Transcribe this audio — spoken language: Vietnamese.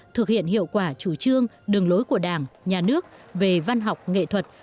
thực hiện hiệu quả chủ trương đường lối của đảng nhà nước về văn học nghệ thuật